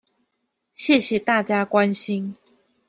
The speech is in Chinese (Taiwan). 謝謝大家關心